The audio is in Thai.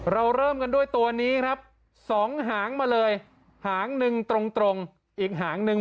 เราเริ่มกันด้วยตัวนี้ครับสองหางมาเลยหางหนึ่งตรงอีกหางหนึ่ง